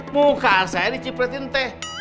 muka saya dicipetin teh